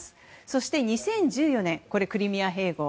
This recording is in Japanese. そして２０１４年クリミア併合。